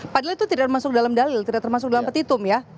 padahal itu tidak masuk dalam dalil tidak termasuk dalam petitum ya